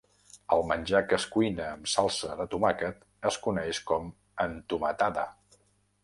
El menjar que es cuina amb salsa de tomàquet es coneix com "entomatada".